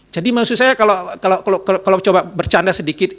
jadi maksud saya kalau coba bercanda sedikit